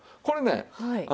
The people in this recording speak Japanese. これね